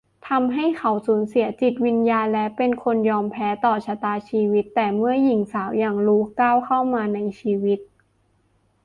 ทำให้เขาสูญเสียจิตวิญญาณและเป็นคนยอมแพ้ต่อชะตาชีวิต แต่เมื่อหญิงสาวอย่าง ลู ก้าวเข้ามาในชีวิต